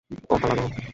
ওহ আল্লাহ হো!